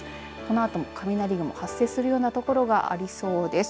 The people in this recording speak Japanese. このあとも雷雲発生するようなところがありそうです。